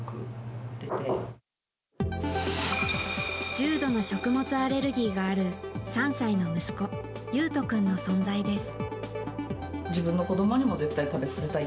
重度の食物アレルギーがある３歳の息子・悠人君の存在です。